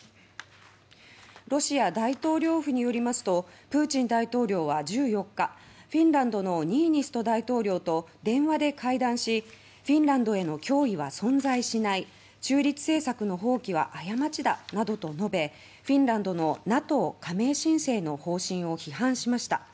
ロシア大統領府によりますとプーチン大統領は１４日フィンランドのニーニスト大統領と電話で会談し「フィンランドへの脅威は存在しない」「中立政策の放棄は過ちだ」などと述べフィンランドのＮＡＴＯ加盟申請の方針を批判しました。